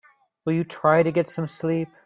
Will you try to get some sleep?